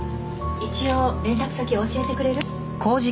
一応連絡先を教えてくれる？